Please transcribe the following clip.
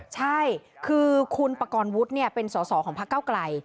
ใช่คือคุณปกรณ์วุฒิเนี่ยเป็นส่อของพระเก้าไกร